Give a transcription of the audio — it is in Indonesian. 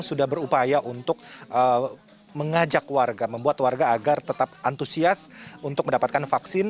sudah berupaya untuk mengajak warga membuat warga agar tetap antusias untuk mendapatkan vaksin